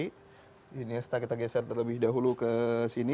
iniesta kita geser terlebih dahulu ke sini